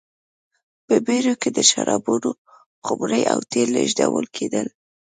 په بېړیو کې د شرابو خُمرې او تېل لېږدول کېدل.